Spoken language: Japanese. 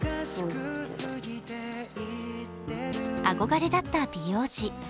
あこがれだった美容師。